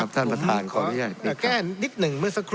ท่านประธานขออนุญาติก